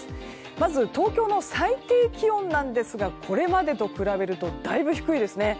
まず東京の最低気温なんですがこれまでと比べるとだいぶ低いですね。